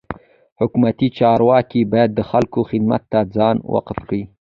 حکومتي چارواکي باید د خلکو خدمت ته ځان وقف کي.